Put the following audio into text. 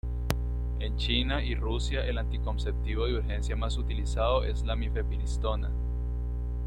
En China y Rusia el anticonceptivo de urgencia más utilizado es la mifepristona.